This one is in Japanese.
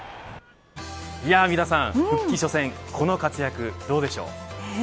三田さん復帰初戦この活躍どうでしょう。